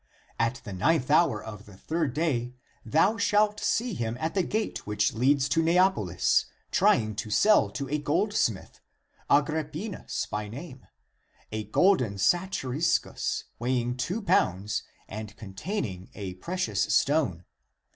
At the ninth hour of the third day thou shalt see them at the gate which leads to Neapohs, trying to sell to a goldsmith, Agrippinus by name, a golden satyriscus weighing two pounds, and con taining a precious stone.